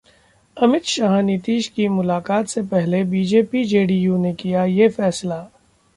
अमित शाह-नीतीश की मुलाकात से पहले बीजेपी-जेडीयू ने लिया ये फैसला